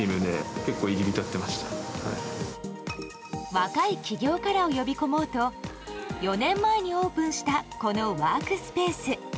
若い起業家らを呼び込もうと４年前にオープンしたこのワークスペース。